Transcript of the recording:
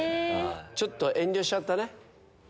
ちょっと遠慮しちゃったね。